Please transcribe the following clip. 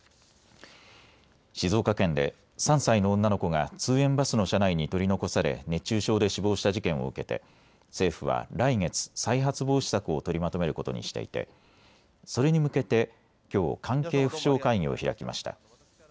静岡県で３歳の女の子が通園バスの車内に取り残され熱中症で死亡した事件を受けて政府は来月、再発防止策を取りまとめることにしていてそれに向けてきょう、関係府省会議を開きました。